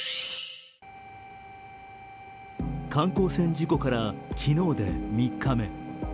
観光船事故から昨日で３日目。